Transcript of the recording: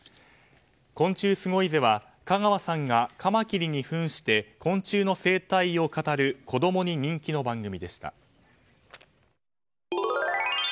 「昆虫すごいぜ！」は香川さんがカマキリに扮して昆虫の生態を語る子供に人気の番組でした。